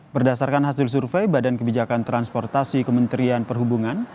berdasarkan hasil survei badan kebijakan transportasi kementerian perhubungan